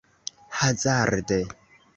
hazarde